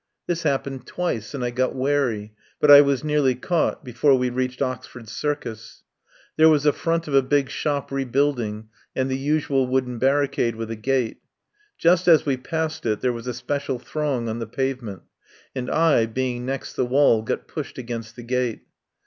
This happened twice, and I got wary, but I was nearly caught before we reached Ox ford Circus. There was a front of a big shop rebuilding, and the usual wooden barricade with a gate. Just as we passed it there was a special throng on the pavement and I, being next the wall, got pushed against the gate.